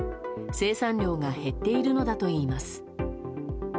生産量が減っているのだといいます。